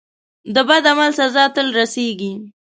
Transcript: د بد عمل سزا تل رسیږي.